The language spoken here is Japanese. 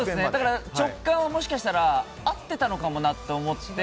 直感はもしかしたら合ってたのかなと思って。